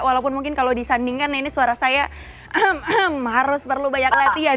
walaupun mungkin kalau disandingkan ini suara saya harus perlu banyak latihan